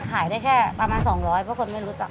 ขายได้แค่ประมาณ๒๐๐เพราะคนไม่รู้จัก